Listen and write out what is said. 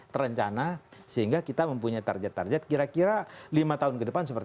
terencana sehingga kita mempunyai target target kira kira lima tahun ke depan seperti